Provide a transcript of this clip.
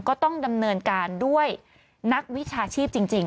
ก็ต้องดำเนินการด้วยนักวิชาชีพจริง